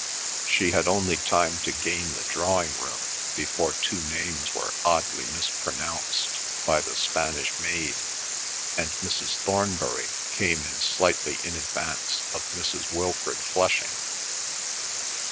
She had only time to gain the drawing room before two names were oddly mispronounced by the Spanish maid, and Mrs. Thornbury came in slightly in advance of Mrs. Wilfrid Flushing.